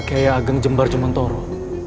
kehaya ageng jembar jementoro